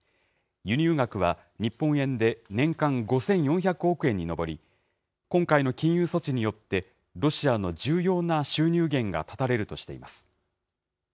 輸入額は、日本円で年間５４００億円に上り、今回の金融措置によってロシアの重要な収入源が断たれるとしています。